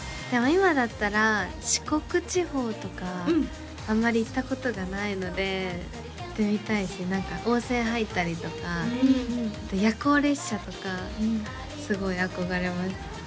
今だったら四国地方とかあんまり行ったことがないので行ってみたいし何か温泉入ったりとかあと夜行列車とかすごい憧れます